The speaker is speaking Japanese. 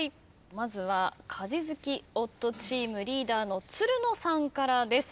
まずは家事好き夫チームリーダーのつるのさんからです。